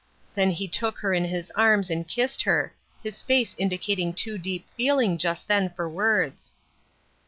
Then he took her in his arms and kissed her, his face indicating too deep feeling just then for words.